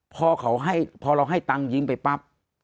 พอเราให้ตังค์ยิ้มไปปั๊บ